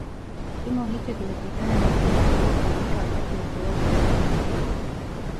Kimo hicho kimetokana na upimaji uliofanyika wakati wa ukoloni wa Uingereza